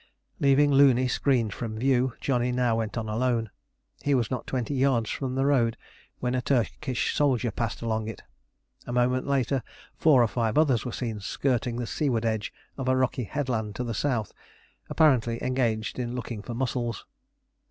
Leaving Looney screened from view, Johnny now went on alone. He was not twenty yards from the road when a Turkish soldier passed along it. A moment later four or five others were seen skirting the seaward edge of a rocky headland to the south, apparently engaged in looking for mussels.